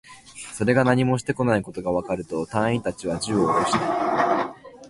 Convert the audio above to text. それが何もしてこないことがわかると、隊員達は銃をおろした